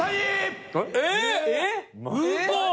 えっ？